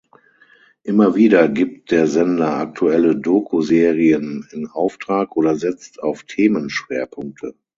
Immer wieder gibt der Sender aktuelle Doku-Serien in Auftrag oder setzt auf Themenschwerpunkte.